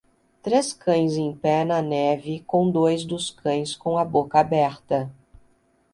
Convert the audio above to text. Três cães em pé na neve com dois dos cães com a boca aberta.